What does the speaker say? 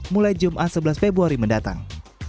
mulai jumat sebelas februari mendatang